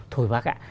thôi bác ạ